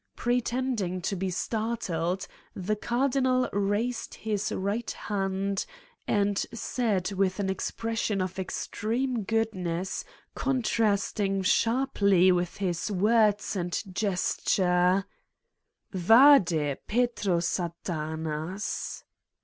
Pretending to be startled, the Cardinal raised his right hand and said with an expression of extreme goodness, con trasting sharply with his words and gesture : "VadePetro Satanas!"